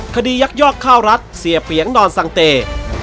ยักยอกข้าวรัฐเสียเปียงนอนสังเต